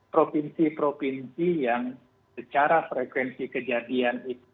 provinsi provinsi yang secara frekuensi kejadian itu